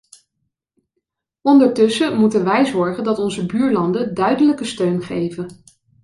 Ondertussen moeten wij zorgen dat wij onze buurlanden duidelijke steun geven.